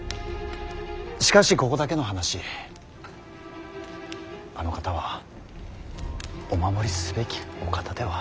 しかしここだけの話あの方はお守りすべきお方では。